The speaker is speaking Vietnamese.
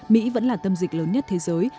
mỹ vẫn là tâm dịch lớn nhất thế giới